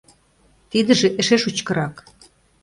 Тидыже эше шучкырак.